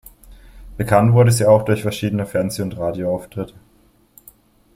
Bekannt wurden sie auch durch verschiedene Fernseh- und Radioauftritte.